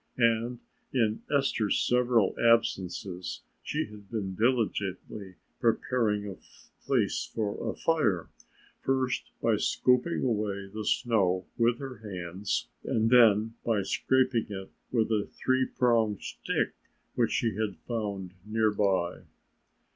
And in Esther's several absences she had been diligently preparing a place for a fire, first by scooping away the snow with her hands and then by scraping it with a three pronged stick which she had found nearby.